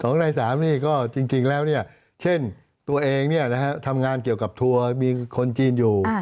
ในสามนี่ก็จริงแล้วเช่นตัวเองทำงานเกี่ยวกับทัวร์มีคนจีนอยู่